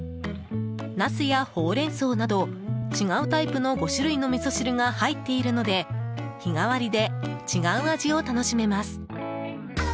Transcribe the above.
ナスや、ほうれん草など違うタイプの５種類のみそ汁が入っているので日替わりで違う味を楽しめます。